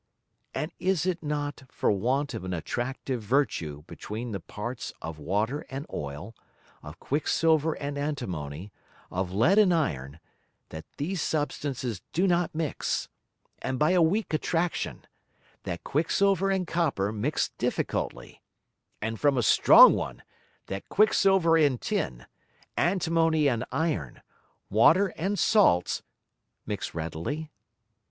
And is it not for want of an attractive virtue between the Parts of Water and Oil, of Quick silver and Antimony, of Lead and Iron, that these Substances do not mix; and by a weak Attraction, that Quick silver and Copper mix difficultly; and from a strong one, that Quick silver and Tin, Antimony and Iron, Water and Salts, mix readily?